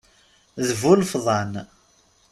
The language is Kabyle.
D bu ilefḍan!